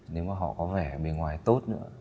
nếu mà họ có vẻ bề ngoài tốt nữa